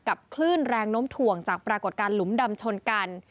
คลื่นแรงน้มถ่วงจากปรากฏการณหลุมดำชนกัน